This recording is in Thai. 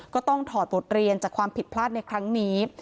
ก็ต้องถอดบทเรียนจากความผิดพลาดในครั้งนี้